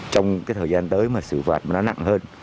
trong thời gian tới mà sự phạt nó nặng hơn